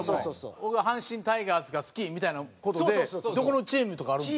僕阪神タイガースが好きみたいな事でどこのチームとかあるんですか？